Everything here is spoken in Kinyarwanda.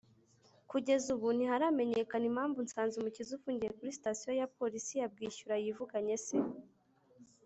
Kugeza ubu ntiharamenyekana impamvu Nsanzumukiza ufungiye kuri sitasiyo ya Polisi ya Bwishyura yivuganye se